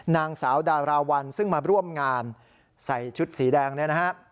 นางสาวดาราวันซึ่งมาร่วมงานใส่ชุดสีแดงเนี่ยนะฮะ